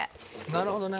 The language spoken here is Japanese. なるほどね。